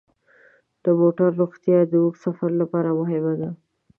د موټرو روغتیا د اوږد سفر لپاره مهمه ده.